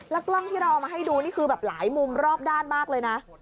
กล้องที่เราเอามาให้ดูนี่คือแบบหลายมุมรอบด้านมากเลยนะ